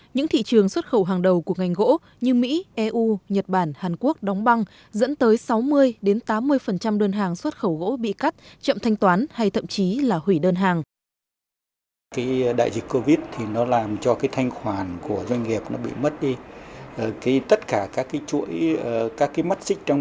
những thị trường xuất khẩu hàng đầu của ngành gỗ như mỹ eu nhật bản hàn quốc đóng băng dẫn tới sáu mươi tám mươi đơn hàng xuất khẩu gỗ bị cắt chậm thanh toán hay thậm chí là hủy đơn hàng